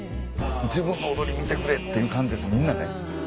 自分の踊り見てくれっていう感じですみんなね。